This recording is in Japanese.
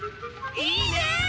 いいね！